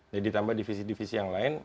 jadi ditambah divisi divisi yang lain